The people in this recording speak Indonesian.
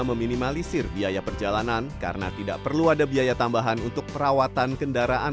meminimalisir biaya perjalanan karena tidak perlu ada biaya tambahan untuk perawatan kendaraan